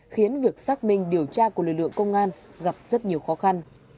khiến việc xác minh điều tra của lực lượng công an gặp rất nhiều khó khăn